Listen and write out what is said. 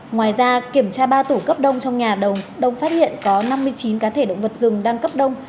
ngoài ra kiểm tra ba tủ cấp đông trong nhà đầu đông phát hiện có năm mươi chín cá thể động vật rừng đang cấp đông